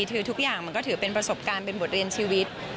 คือทุกอย่างมันก็ถือเป็นประสบการณ์เป็นบทเรียนชีวิต